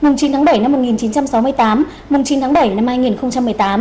mùng chín tháng bảy năm một nghìn chín trăm sáu mươi tám chín tháng bảy năm hai nghìn một mươi tám